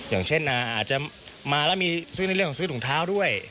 อย่างเช่นอาจจะมาแล้วมีซื้อในเรื่องของซื้อถุงเท้าด้วย